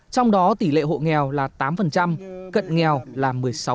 trong đó tỷ lệ hộ nghèo là tám cận nghèo là một mươi sáu